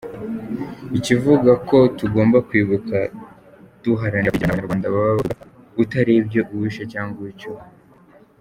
Ikivugwa ko tugomba kwibuka duharanira kwigira, ni Abanyarwanda baba bavugwa utarebye uwishe cyangwa uwiciwe.